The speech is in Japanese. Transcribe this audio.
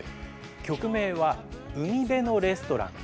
曲名は「海辺のレストラン」。